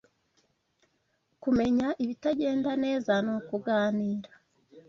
Kumenya ibitagenda neza nukuganira